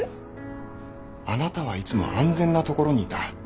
あなたはいつも安全なところにいた。